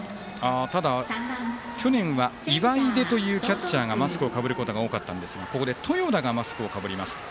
ただ、去年は岩出というキャッチャーがマスクをかぶることが多かったんですがここで豊田がマスクをかぶります。